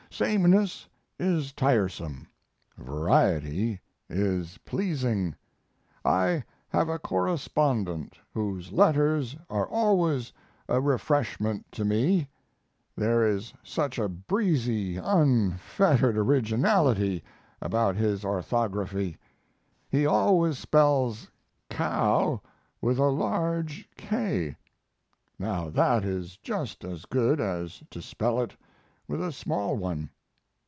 Sameness is tiresome; variety is pleasing. I have a correspondent whose letters are always a refreshment to me; there is such a breezy, unfettered originality about his orthography. He always spells "kow" with a large "K." Now that is just as good as to spell it with a small one.